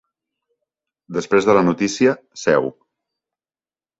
Després de la notícia, seu.